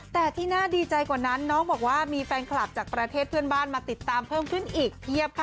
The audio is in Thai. แต่ที่น่าดีใจกว่านั้นน้องบอกว่ามีแฟนคลับจากประเทศเพื่อนบ้านมาติดตามเพิ่มขึ้นอีกเพียบค่ะ